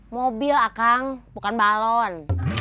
mobil ah kang bukan balon